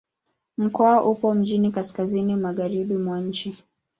Mkoa upo mjini kaskazini-magharibi mwa nchi.